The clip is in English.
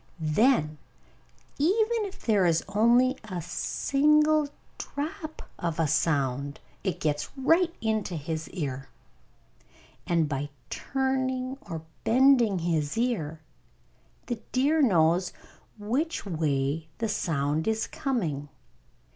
Then even if there is only a single drop of sound, it gets right into his ear. And by turning or bending his ear, the deer knows which way the sound is coming.